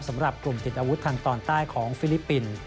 สำหรับกลุ่มติดอาวุธทางตอนใต้ของฟิลิปปินส์